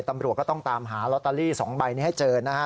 ตำรวจก็ต้องตามหาลอตเตอรี่๒ใบนี้ให้เจอนะฮะ